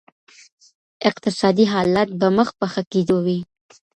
اقتصادي حالت به مخ په ښه کېدو وي.